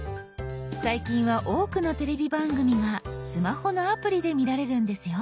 最近は多くのテレビ番組がスマホのアプリで見られるんですよ。